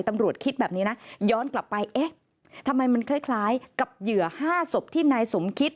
คิดแบบนี้นะย้อนกลับไปเอ๊ะทำไมมันคล้ายกับเหยื่อ๕ศพที่นายสมคิด